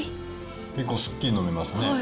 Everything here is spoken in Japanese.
結構すっきり飲めますね。